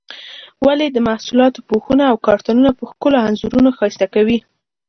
ولې د محصولاتو پوښونه او کارتنونه په ښکلو انځورونو ښایسته کوي؟